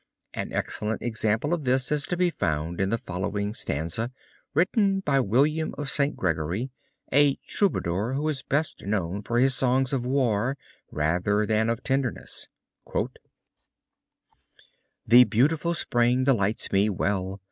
An excellent example of this is to be found in the following stanza written by William of Saint Gregory, a Troubadour who is best known for his songs of war rather than of tenderness. The beautiful spring delights me well.